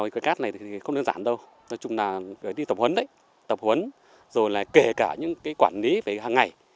cái cát này thì không đơn giản đâu nói chung là đi tập huấn đấy tập huấn rồi là kể cả những cái quản lý về hàng ngày